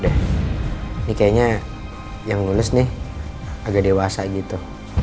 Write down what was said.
ini kayaknya yang lulus nih agak dewasa gitu